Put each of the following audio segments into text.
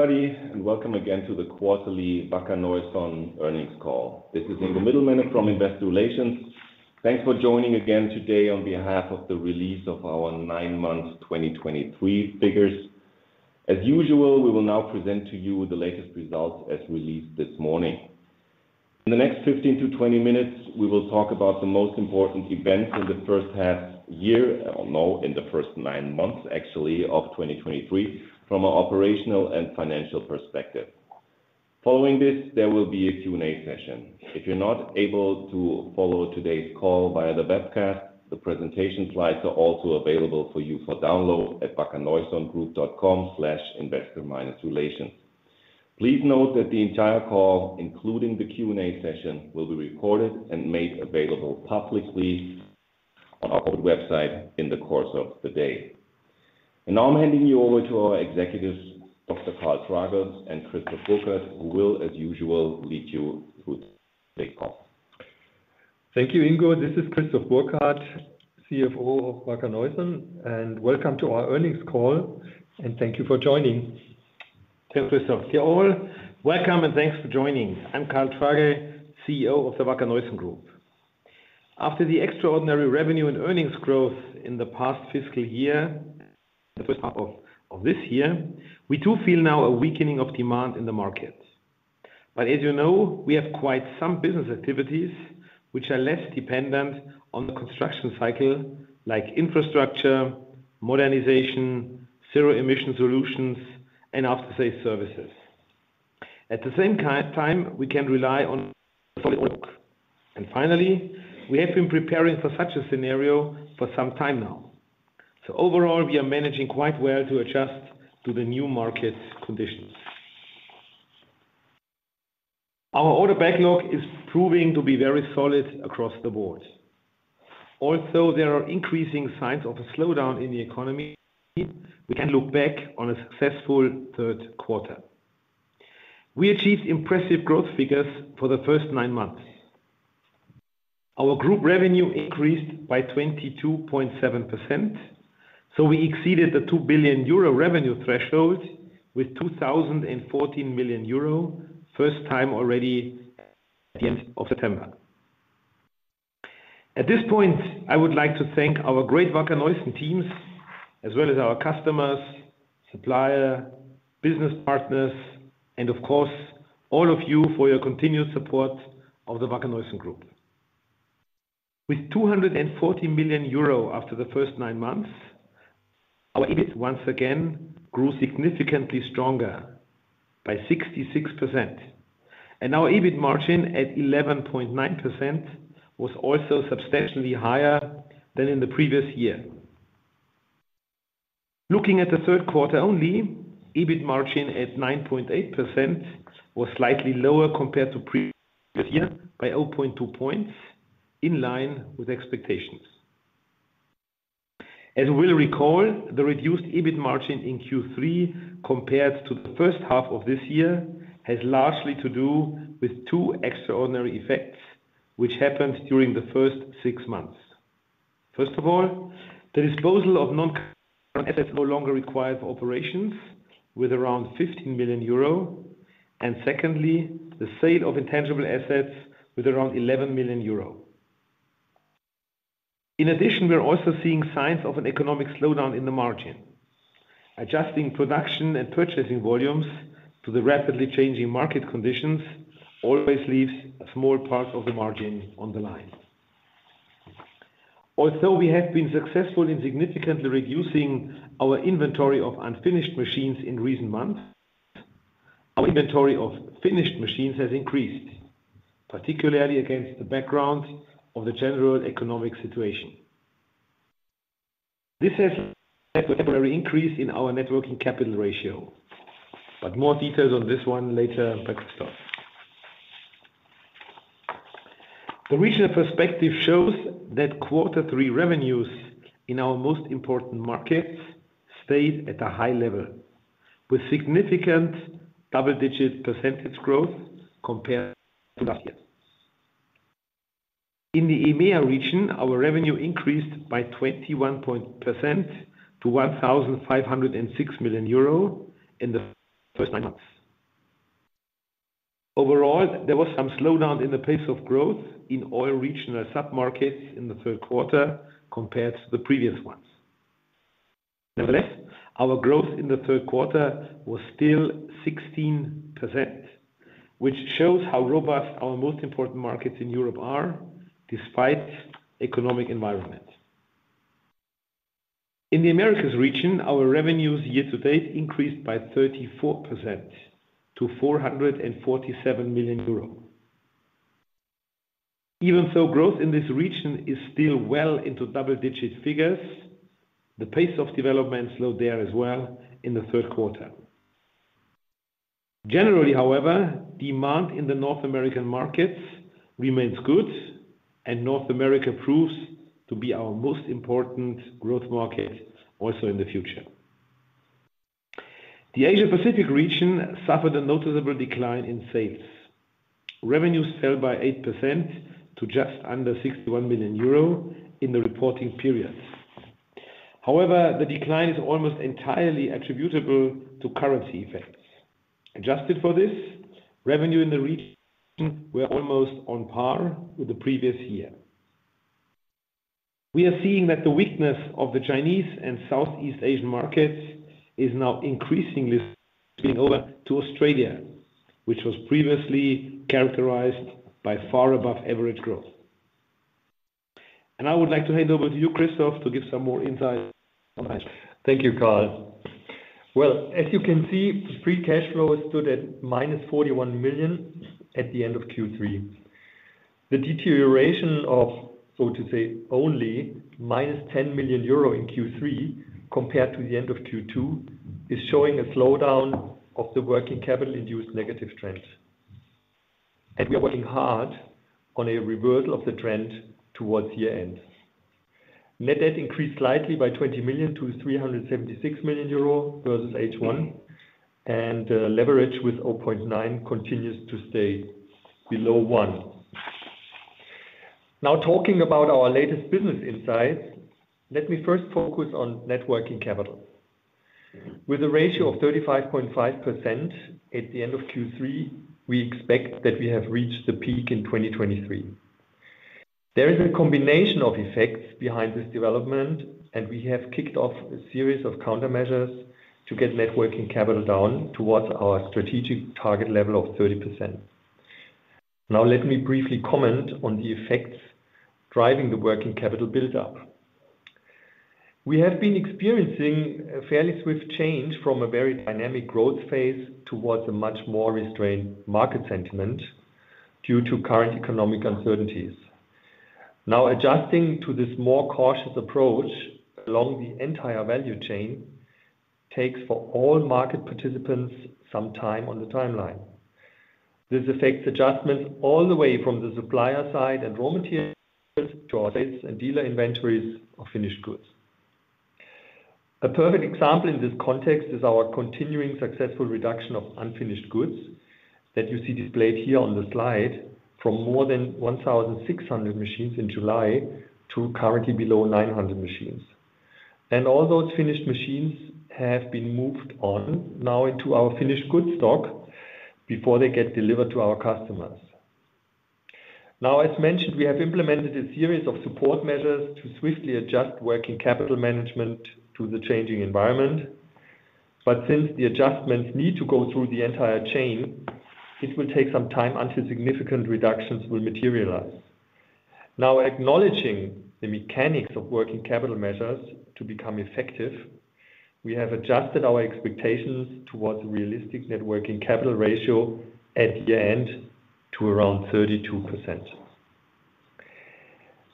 Everybody, and welcome again to the quarterly Wacker Neuson earnings call. This is Ingo Middelmenne from Investor Relations. Thanks for joining again today on behalf of the release of our nine-month 2023 figures. As usual, we will now present to you the latest results as released this morning. In the next 15-20 minutes, we will talk about the most important events in the first half year, or no, in the first nine months, actually, of 2023, from an operational and financial perspective. Following this, there will be a Q&A session. If you're not able to follow today's call via the webcast, the presentation slides are also available for you for download at wackerneusongroup.com/investor-relations. Please note that the entire call, including the Q&A session, will be recorded and made available publicly on our website in the course of the day. Now I'm handing you over to our executives, Dr. Karl Tragl and Christoph Burkhard, who will, as usual, lead you through today's call. Thank you, Ingo. This is Christoph Burkhard, CFO of Wacker Neuson, and welcome to our earnings call, and thank you for joining. Thank you, Christoph. Welcome, and thanks for joining. I'm Karl Tragl, CEO of the Wacker Neuson Group. After the extraordinary revenue and earnings growth in the past fiscal year, the first half of this year, we do feel now a weakening of demand in the market. But as you know, we have quite some business activities which are less dependent on the construction cycle, like infrastructure, modernization, zero-emission solutions, and after-sales services. At the same time, we can rely on solid work. And finally, we have been preparing for such a scenario for some time now. So overall, we are managing quite well to adjust to the new market conditions. Our order backlog is proving to be very solid across the board. Although there are increasing signs of a slowdown in the economy, we can look back on a successful Q3. We achieved impressive growth figures for the first nine months. Our group revenue increased by 22.7%, so we exceeded the 2 billion euro revenue threshold with 2,014 million euro, first time already at the end of September. At this point, I would like to thank our great Wacker Neuson teams, as well as our customers, suppliers, business partners, and of course, all of you for your continued support of the Wacker Neuson Group. With 214 million euro after the first nine months, our EBIT once again grew significantly stronger by 66%, and our EBIT margin at 11.9% was also substantially higher than in the previous year. Looking at the Q3 only, EBIT margin at 9.8% was slightly lower compared to previous year by 0.2 points, in line with expectations. As you will recall, the reduced EBIT margin in Q3 compared to the first half of this year has largely to do with two extraordinary effects, which happened during the first six months. First of all, the disposal of non-core assets no longer required for operations with around 15 million euro, and secondly, the sale of intangible assets with around 11 million euro. In addition, we are also seeing signs of an economic slowdown in the margin. Adjusting production and purchasing volumes to the rapidly changing market conditions always leaves a small part of the margin on the line. Although we have been successful in significantly reducing our inventory of unfinished machines in recent months, our inventory of finished machines has increased, particularly against the background of the general economic situation. This has a temporary increase in our net working capital ratio, but more details on this one later in the presentation. The regional perspective shows that quarter three revenues in our most important markets stayed at a high level, with significant double-digit percentage growth compared to last year. In the EMEA region, our revenue increased by 21% to 1,506 million euro in the first nine months. Overall, there was some slowdown in the pace of growth in all regional submarkets in the Q3 compared to the previous ones. Nevertheless, our growth in the Q3 was still 16%, which shows how robust our most important markets in Europe are despite economic environment. In the Americas region, our revenues year to date increased by 34% to 447 million euro. Even so, growth in this region is still well into double-digit figures. The pace of development slowed there as well in the Q3. Generally, however, demand in the North American markets remains good, and North America proves to be our most important growth market also in the future. The Asia Pacific region suffered a noticeable decline in sales. Revenues fell by 8% to just under 61 million euro in the reporting period.... However, the decline is almost entirely attributable to currency effects. Adjusted for this, revenue in the region were almost on par with the previous year. We are seeing that the weakness of the Chinese and Southeast Asian markets is now increasingly spilling over to Australia, which was previously characterized by far above average growth. And I would like to hand over to you, Christoph, to give some more insight. Thank you, Karl. Well, as you can see, the free cash flow stood at -41 million at the end of Q3. The deterioration of, so to say, only -10 million euro in Q3 compared to the end of Q2, is showing a slowdown of the working capital-induced negative trend. And we are working hard on a reversal of the trend towards year-end. Net debt increased slightly by 20 million to 376 million euro versus H1, and leverage with 0.9 continues to stay below one. Now, talking about our latest business insights, let me first focus on net working capital. With a ratio of 35.5% at the end of Q3, we expect that we have reached the peak in 2023. There is a combination of effects behind this development, and we have kicked off a series of countermeasures to get net working capital down towards our strategic target level of 30%. Now, let me briefly comment on the effects driving the working capital buildup. We have been experiencing a fairly swift change from a very dynamic growth phase towards a much more restrained market sentiment due to current economic uncertainties. Now, adjusting to this more cautious approach along the entire value chain, takes for all market participants some time on the timeline. This affects adjustments all the way from the supplier side and raw material to our sales and dealer inventories of finished goods. A perfect example in this context is our continuing successful reduction of unfinished goods, that you see displayed here on the slide, from more than 1,600 machines in July to currently below 900 machines. All those finished machines have been moved on now into our finished goods stock before they get delivered to our customers. Now, as mentioned, we have implemented a series of support measures to swiftly adjust working capital management to the changing environment. Since the adjustments need to go through the entire chain, it will take some time until significant reductions will materialize. Now, acknowledging the mechanics of working capital measures to become effective, we have adjusted our expectations towards a realistic net working capital ratio at year-end to around 32%.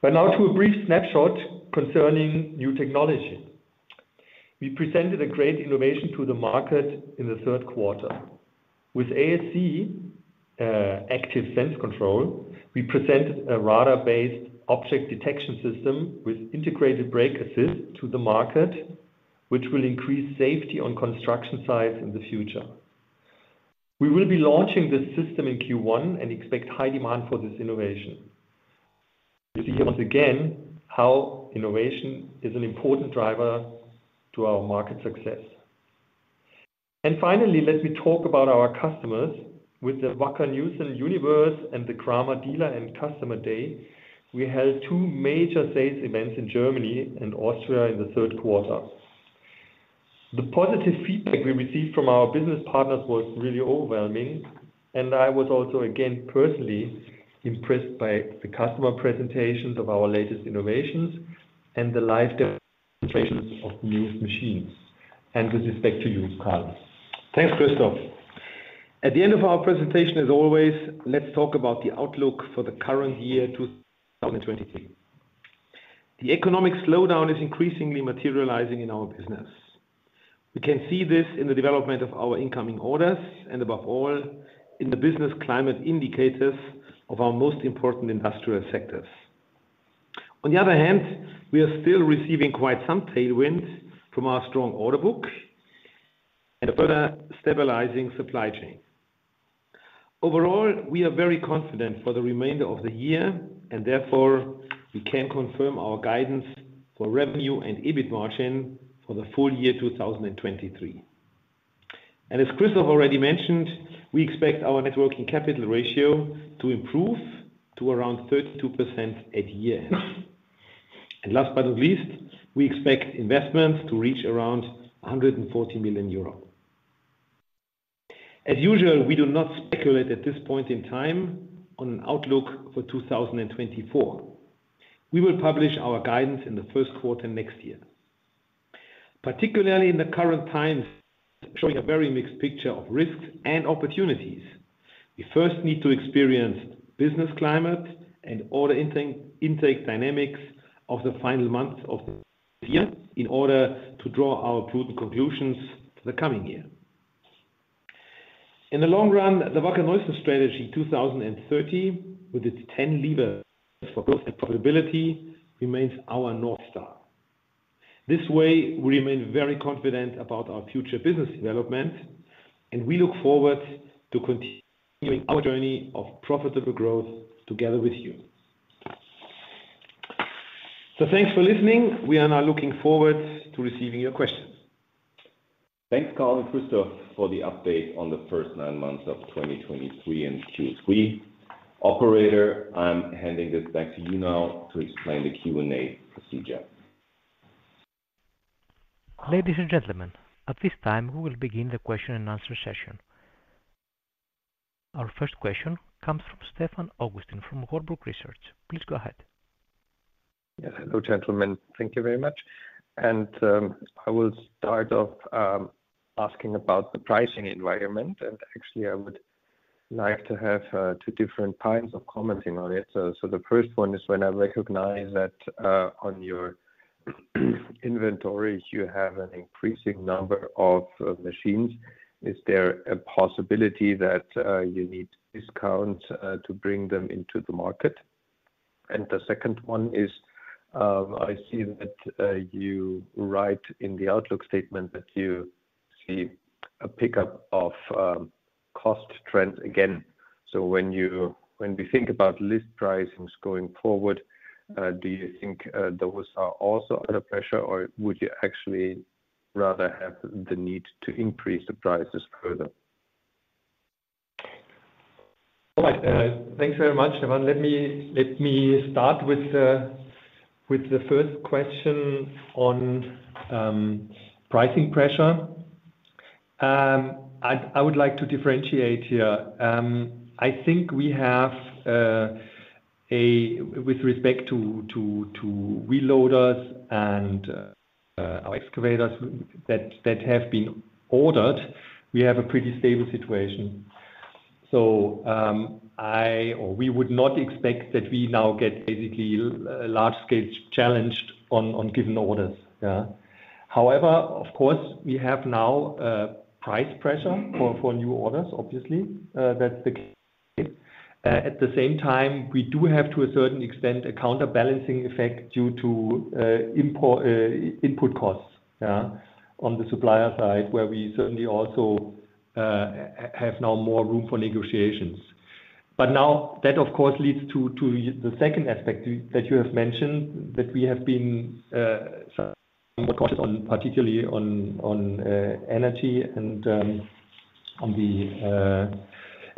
Now to a brief snapshot concerning new technology. We presented a great innovation to the market in the Q3. With ASC, Active Sense Control, we presented a radar-based object detection system with integrated brake assist to the market, which will increase safety on construction sites in the future. We will be launching this system in Q1 and expect high demand for this innovation. You see once again, how innovation is an important driver to our market success. And finally, let me talk about our customers. With the Wacker Neuson Universe and the Kramer Dealer and Customer Day, we held two major sales events in Germany and Austria in the Q3. The positive feedback we received from our business partners was really overwhelming, and I was also, again, personally impressed by the customer presentations of our latest innovations and the live demonstrations of new machines. And with this back to you, Karl. Thanks, Christoph. At the end of our presentation, as always, let's talk about the outlook for the current year, 2023. The economic slowdown is increasingly materializing in our business. We can see this in the development of our incoming orders, and above all, in the business climate indicators of our most important industrial sectors. On the other hand, we are still receiving quite some tailwind from our strong order book and a further stabilizing supply chain. Overall, we are very confident for the remainder of the year, and therefore, we can confirm our guidance for revenue and EBIT margin for the full year 2023. As Christoph already mentioned, we expect our net working capital ratio to improve to around 32% at year-end. Last but not least, we expect investments to reach around 140 million euro. As usual, we do not speculate at this point in time on an outlook for 2024. We will publish our guidance in the first quarter next year. Particularly in the current times, showing a very mixed picture of risks and opportunities, we first need to experience business climate and order intake dynamics of the final months of the year in order to draw our conclusions for the coming year. In the long run, the Wacker Neuson Strategy 2030, with its 10 levers for growth and profitability, remains our North Star. This way, we remain very confident about our future business development.... and we look forward to continuing our journey of profitable growth together with you. So thanks for listening. We are now looking forward to receiving your questions. Thanks, Karl and Christoph, for the update on the first nine months of 2023 and Q3. Operator, I'm handing this back to you now to explain the Q&A procedure. Ladies and gentlemen, at this time, we will begin the question and answer session. Our first question comes from Stefan Augustin from Warburg Research. Please go ahead. Yes. Hello, gentlemen. Thank you very much. And, I will start off asking about the pricing environment, and actually, I would like to have two different kinds of commenting on it. So, the first one is when I recognize that on your inventory, you have an increasing number of machines, is there a possibility that you need discount to bring them into the market? And the second one is, I see that you write in the outlook statement that you see a pickup of cost trends again. So when we think about list pricings going forward, do you think those are also under pressure, or would you actually rather have the need to increase the prices further? All right. Thanks very much, Stefan. Let me start with the first question on pricing pressure. I would like to differentiate here. I think we have with respect to wheel loaders and our excavators that have been ordered a pretty stable situation. So, I or we would not expect that we now get basically a large-scale challenge on given orders. Yeah. However, of course, we have now price pressure for new orders, obviously. At the same time, we do have, to a certain extent, a counterbalancing effect due to import input costs, yeah, on the supplier side, where we certainly also have now more room for negotiations. But now that, of course, leads to the second aspect that you have mentioned, that we have been more cautious on, particularly on energy and on the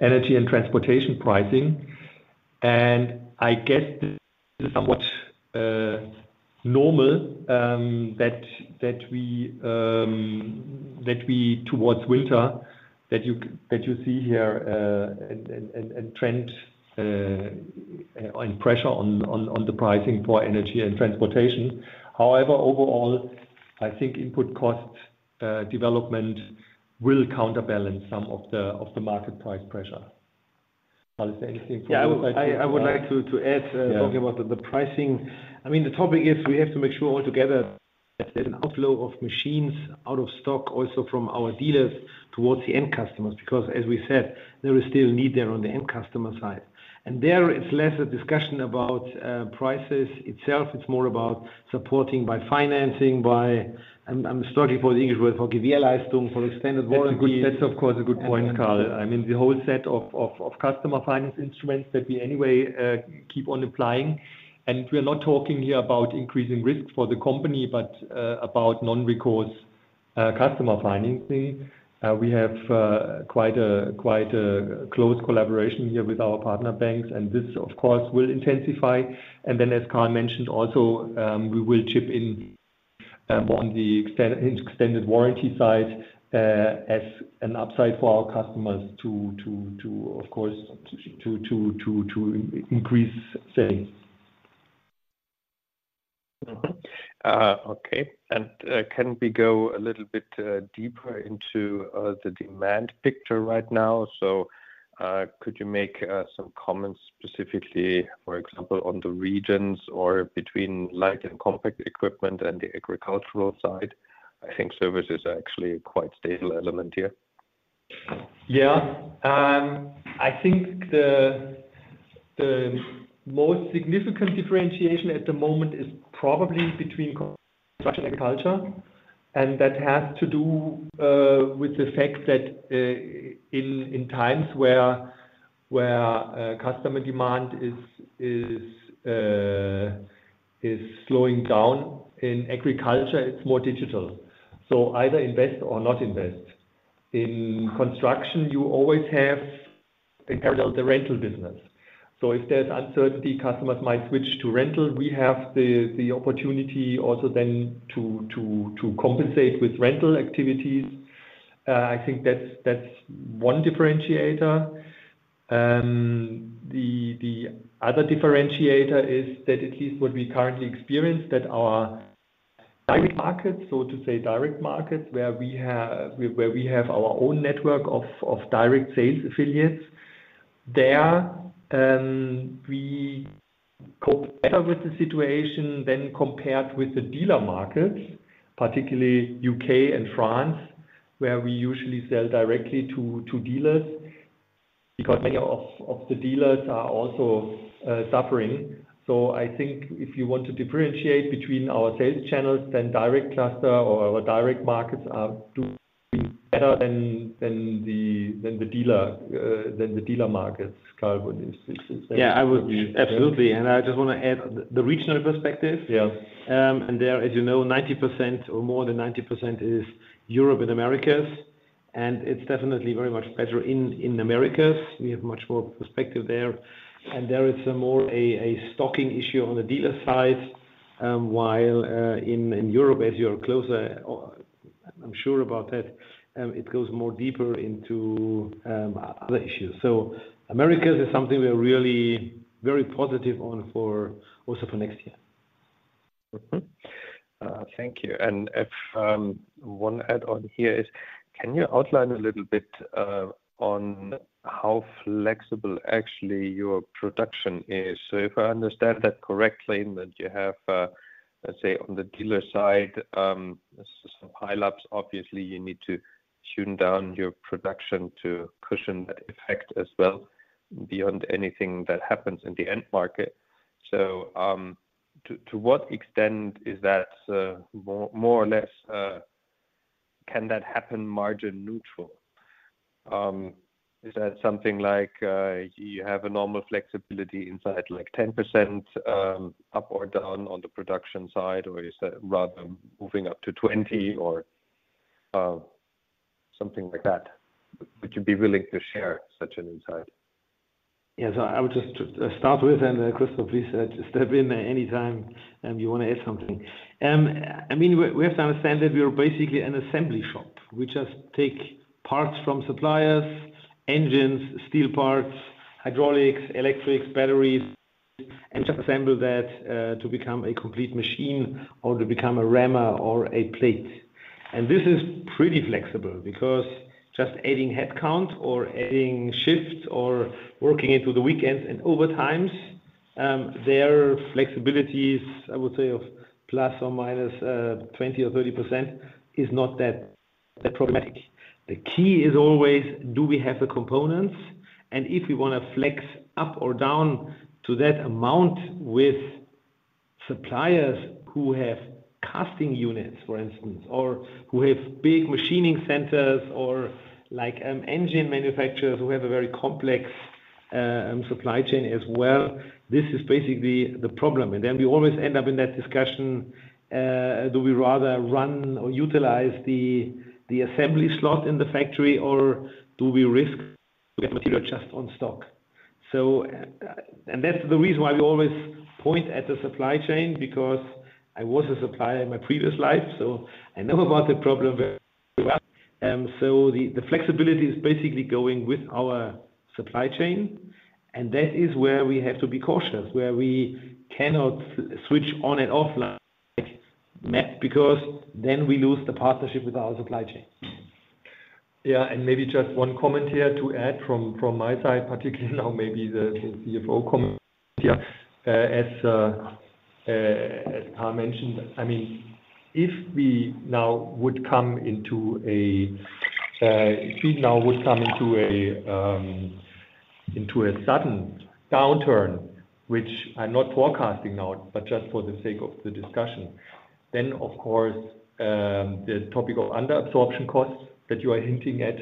energy and transportation pricing. And I guess this is somewhat normal that we towards winter that you see here and trend on pressure on the pricing for energy and transportation. However, overall, I think input cost development will counterbalance some of the market price pressure. Karl, is there anything you want to add? Yeah, I would like to add- Yeah. Talking about the pricing. I mean, the topic is we have to make sure altogether, there's an outflow of machines out of stock, also from our dealers towards the end customers, because as we said, there is still a need there on the end customer side. And there, it's less a discussion about prices itself. It's more about supporting by financing, by... I'm struggling for the English word, for extended warranty. That's a good point, Karl. I mean, the whole set of customer finance instruments that we anyway keep on applying. And we are not talking here about increasing risk for the company, but about non-recourse customer financing. We have quite a close collaboration here with our partner banks, and this, of course, will intensify. And then, as Karl mentioned, also, we will chip in on the extended warranty side as an upside for our customers to, of course, increase sales. Mm-hmm. Okay, and can we go a little bit deeper into the demand picture right now? So, could you make some comments specifically, for example, on the regions or between light and compact equipment and the agricultural side? I think service is actually a quite stable element here. Yeah. I think the most significant differentiation at the moment is probably between construction and agriculture, and that has to do with the fact that in times where customer demand is slowing down, in agriculture, it's more digital. So either invest or not invest. In construction, you always have in parallel the rental business. So if there's uncertainty, customers might switch to rental. We have the opportunity also then to compensate with rental activities. I think that's one differentiator. The other differentiator is that at least what we currently experience, that our direct markets, so to say, direct markets, where we have our own network of direct sales affiliates, there, we cope better with the situation than compared with the dealer markets, particularly UK and France, where we usually sell directly to dealers.... because many of the dealers are also suffering. So I think if you want to differentiate between our sales channels, then direct cluster or our direct markets are doing better than the dealer markets, Karl, would you say? Yeah, I would, absolutely. And I just want to add the regional perspective. Yeah. And there, as you know, 90% or more than 90% is Europe and Americas, and it's definitely very much better in Americas. We have much more perspective there, and there is a stocking issue on the dealer side, while in Europe, as you are closer, or I'm sure about that, it goes more deeper into other issues. So Americas is something we're really very positive on for also for next year. Mm-hmm. Thank you. And one add-on here is, can you outline a little bit on how flexible actually your production is? So if I understand that correctly, that you have, let's say, on the dealer side, some high loads, obviously, you need to tune down your production to cushion the effect as well, beyond anything that happens in the end market. So, to what extent is that, more or less, can that happen margin neutral? Is that something like, you have a normal flexibility inside, like 10%, up or down on the production side, or is that rather moving up to 20, or, something like that? Would you be willing to share such an insight? Yes, I would just start with, and Christoph, please step in anytime you want to add something. I mean, we have to understand that we are basically an assembly shop. We just take parts from suppliers, engines, steel parts, hydraulics, electrics, batteries, and just assemble that to become a complete machine or to become a rammer or a plate. And this is pretty flexible because just adding headcount or adding shifts or working into the weekends and overtimes, their flexibility is, I would say, of plus or minus 20 or 30% is not that problematic. The key is always, do we have the components? If we want to flex up or down to that amount with suppliers who have casting units, for instance, or who have big machining centers, or like, engine manufacturers who have a very complex supply chain as well, this is basically the problem. And then we always end up in that discussion, do we rather run or utilize the assembly slot in the factory, or do we risk to get material just on stock? So, and that's the reason why we always point at the supply chain, because I was a supplier in my previous life, so I know about the problem very well. So the flexibility is basically going with our supply chain, and that is where we have to be cautious, where we cannot switch on and off like that, because then we lose the partnership with our supply chain. Yeah, and maybe just one comment here to add from my side, particularly now, maybe the CFO comment here. As Karl mentioned, I mean, if we now would come into a sudden downturn, which I'm not forecasting now, but just for the sake of the discussion, then, of course, the topic of under-absorption costs that you are hinting at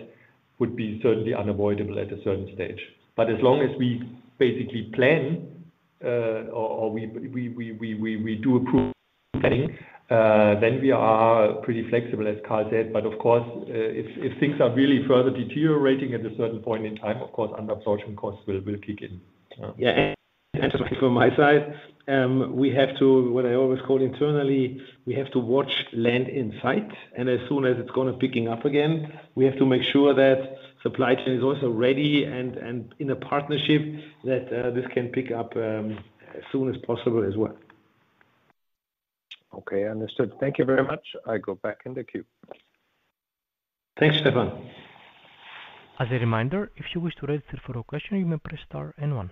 would be certainly unavoidable at a certain stage. But as long as we basically plan, or we do a proof planning, then we are pretty flexible, as Karl said. But of course, if things are really further deteriorating at a certain point in time, of course, under-absorption costs will kick in. Yeah, and just from my side, we have to, what I always call internally, we have to watch demand in sight, and as soon as it's gonna pick up again, we have to make sure that supply chain is also ready and in a partnership that this can pick up as soon as possible as well. Okay, understood. Thank you very much. I go back in the queue. Thanks, Stefan. As a reminder, if you wish to register for a question, you may press star and one.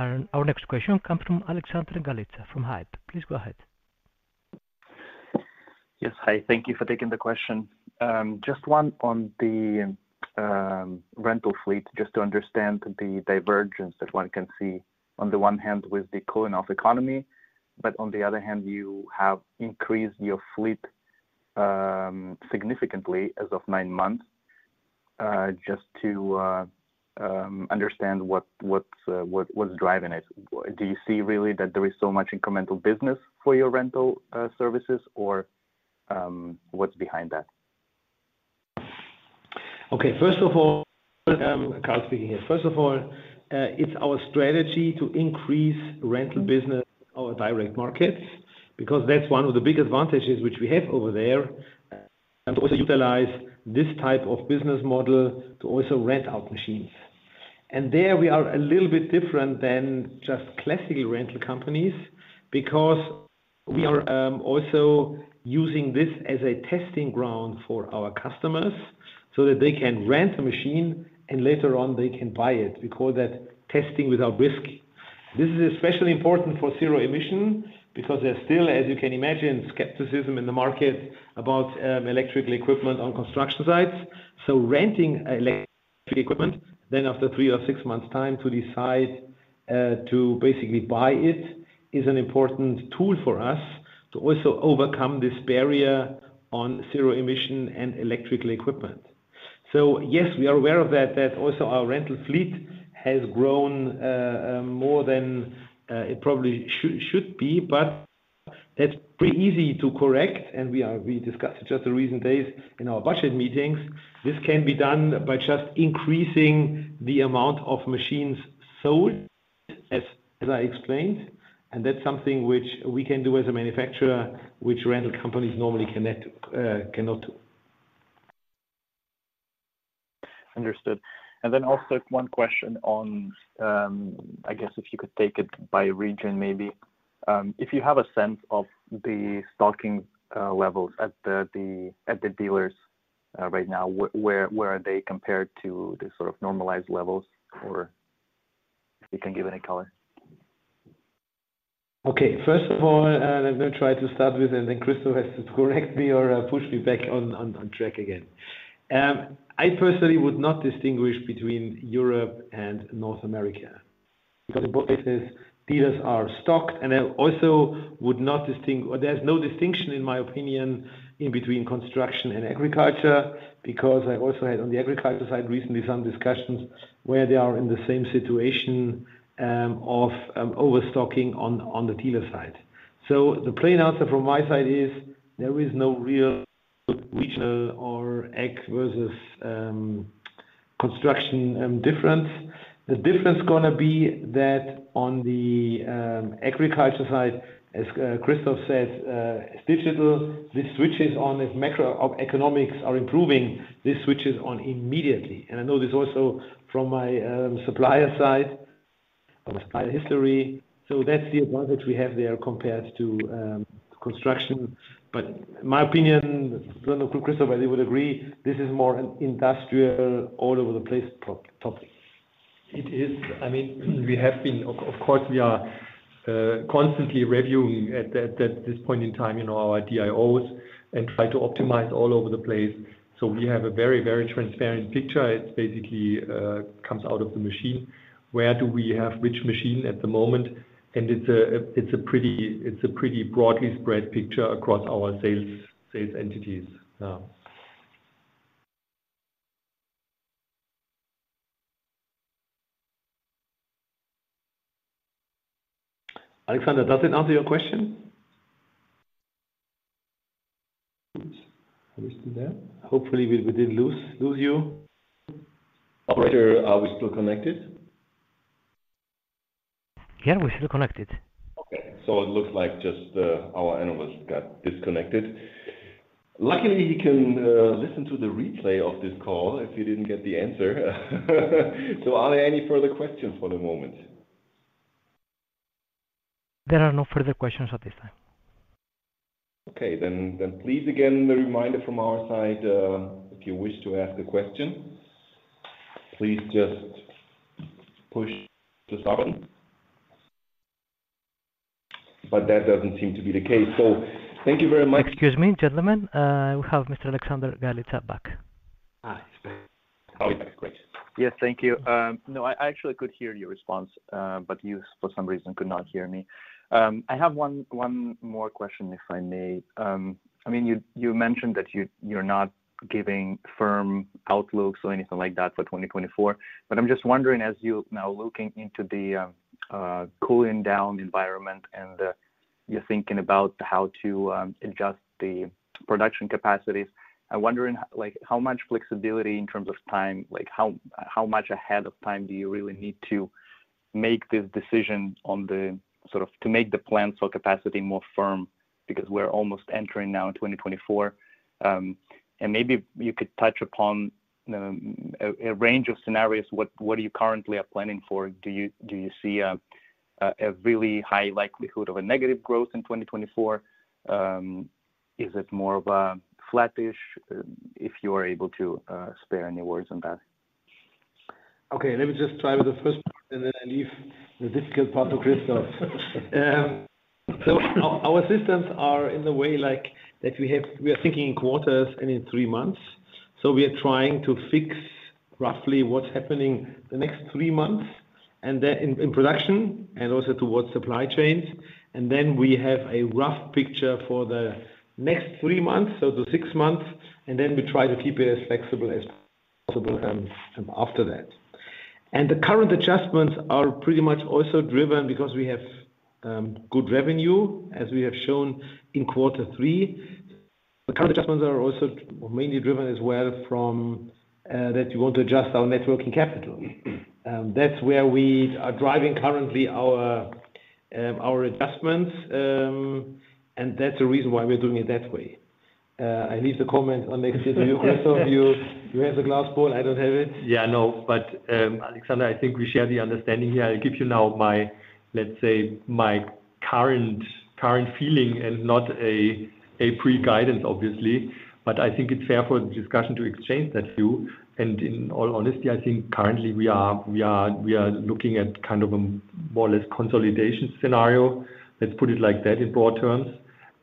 Our next question comes from Alexander Galitsa from Hauck Aufhäuser Lampe. Please go ahead. Yes, hi. Thank you for taking the question. Just one on the rental fleet, just to understand the divergence that one can see on the one hand with the cooling-off economy, but on the other hand, you have increased your fleet significantly as of nine months. Just to understand what's driving it. Do you see really that there is so much incremental business for your rental services, or what's behind that? Okay, first of all, Karl speaking here. First of all, it's our strategy to increase rental business or direct markets, because that's one of the big advantages which we have over there, and also utilize this type of business model to also rent out machines. And there we are a little bit different than just classical rental companies, because we are also using this as a testing ground for our customers so that they can rent a machine, and later on they can buy it. We call that testing without risk. This is especially important for zero emission because there's still, as you can imagine, skepticism in the market about electrical equipment on construction sites. So, renting electric equipment, then after 3 or 6 months' time, to decide to basically buy it, is an important tool for us to also overcome this barrier on zero emission and electrical equipment. So yes, we are aware of that, that also our rental fleet has grown more than it probably should, should be, but that's pretty easy to correct, and we discussed it just the recent days in our budget meetings. This can be done by just increasing the amount of machines sold, as, as I explained, and that's something which we can do as a manufacturer, which rental companies normally cannot, cannot do. Understood. And then also one question on, I guess if you could take it by region, maybe. If you have a sense of the stocking levels at the dealers right now, where are they compared to the sort of normalized levels, or if you can give any color? Okay. First of all, let me try to start with, and then Christoph has to correct me or, push me back on track again. I personally would not distinguish between Europe and North America, because in both cases, dealers are stocked. And I also would not distinguish, there's no distinction, in my opinion, in between construction and agriculture, because I also had on the agriculture side, recently, some discussions where they are in the same situation, of overstocking on the dealer side. So, the plain answer from my side is there is no real regional or ag versus construction difference. The difference gonna be that on the agriculture side, as Christoph says, it's digital. This switches on, if macroeconomics are improving, this switches on immediately. I know this also from my supplier side, from my history. So that's the advantage we have there compared to construction. But in my opinion, I don't know, Christoph, whether you would agree, this is more an industrial all over the place top-topic. It is. I mean, we have been, of course, we are constantly reviewing that at this point in time, you know, our DIOs and try to optimize all over the place. So we have a very, very transparent picture. It basically comes out of the machine, where do we have which machine at the moment? And it's a pretty broadly spread picture across our sales entities. Yeah. Alexander, does it answer your question? Oops, are we still there? Hopefully, we didn't lose you. Operator, are we still connected? Yeah, we're still connected. Okay, so it looks like just our analyst got disconnected. Luckily, he can listen to the replay of this call if he didn't get the answer. So are there any further questions for the moment? There are no further questions at this time. Okay. Then please, again, the reminder from our side, if you wish to ask a question, please just push this button. But that doesn't seem to be the case. Thank you very much. Excuse me, gentlemen. We have Mr. Alexander Galitsa back. Ah, he's back. Oh, yeah, great. Yes, thank you. No, I actually could hear your response, but you, for some reason, could not hear me. I have one more question, if I may. I mean, you mentioned that you're not giving firm outlooks or anything like that for 2024, but I'm just wondering, as you're now looking into the cooling down environment and you're thinking about how to adjust the production capacities, I'm wondering, like, how much flexibility in terms of time, like, how much ahead of time do you really need to make this decision on the, sort of to make the plans for capacity more firm, because we're almost entering now in 2024. And maybe you could touch upon a range of scenarios. What are you currently are planning for? Do you, do you see a really high likelihood of a negative growth in 2024? Is it more of a flatish, if you are able to, spare any words on that? Okay, let me just try with the first part, and then I leave the difficult part to Christoph. So our systems are in the way, like, that we have—we are thinking in quarters and in three months. So we are trying to fix roughly what's happening the next three months, and then in production and also towards supply chains. And then we have a rough picture for the next three months, so to six months, and then we try to keep it as flexible as possible, after that. And the current adjustments are pretty much also driven because we have good revenue, as we have shown in quarter three. The current adjustments are also mainly driven as well from that we want to adjust our net working capital. That's where we are driving currently our adjustments, and that's the reason why we're doing it that way. I leave the comment on next to you, Christoph. You have the crystal ball. I don't have it. Yeah, no, but, Alexander, I think we share the understanding here. I give you now my, let's say, current feeling and not a pre-guidance, obviously, but I think it's fair for the discussion to exchange that view. And in all honesty, I think currently we are looking at kind of a more or less consolidation scenario, let's put it like that, in broad terms.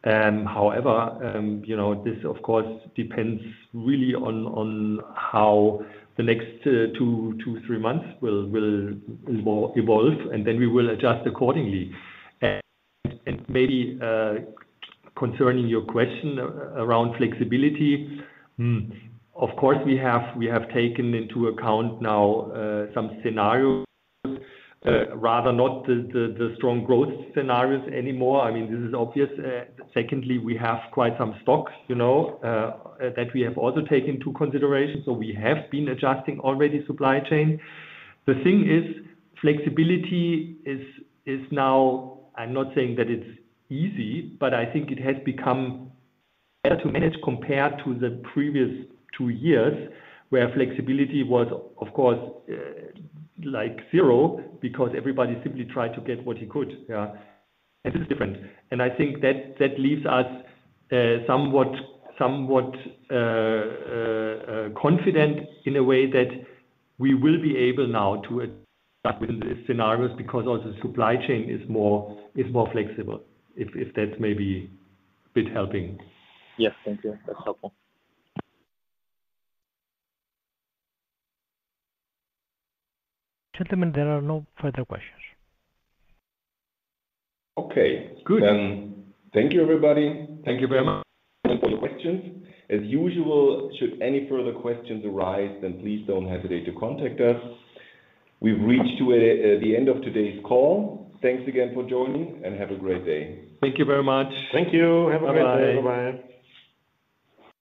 However, you know, this, of course, depends really on how the next two, three months will evolve, and then we will adjust accordingly. And maybe, concerning your question around flexibility, of course, we have taken into account now some scenarios, rather not the strong growth scenarios anymore. I mean, this is obvious. Secondly, we have quite some stocks, you know, that we have also taken into consideration, so we have been adjusting already supply chain. The thing is, flexibility is now. I'm not saying that it's easy, but I think it has become better to manage compared to the previous two years, where flexibility was, of course, like zero, because everybody simply tried to get what he could. Yeah, and this is different. And I think that leaves us somewhat confident in a way that we will be able now to adapt with the scenarios, because also supply chain is more flexible, if that's maybe a bit helping. Yes, thank you. That's helpful. Gentlemen, there are no further questions. Okay. Good. Thank you, everybody. Thank you very much. Thank you for your questions. As usual, should any further questions arise, then please don't hesitate to contact us. We've reached to the end of today's call. Thanks again for joining, and have a great day. Thank you very much. Thank you. Have a great day. Bye-bye. Bye-bye.